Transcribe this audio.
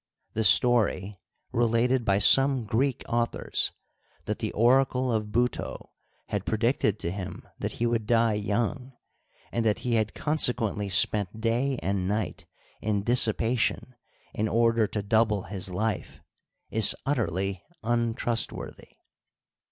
The story, related by some Greek authors, that the oracle of Buto had predicted to him that he would die young, and that he had consequently spent day and night in dissipation in order to double his life, is utterly untrustworthy.